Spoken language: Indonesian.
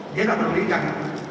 dia enggak terlalu diingat